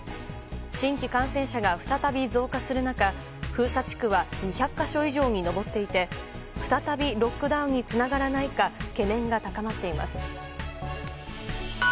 新規感染者が再び増加する中、封鎖地区は２００か所以上に上っていて再びロックダウンにつながらないか懸念が高まっています。